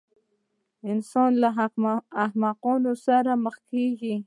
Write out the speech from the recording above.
انسان له احمقانو سره مخ کېږي.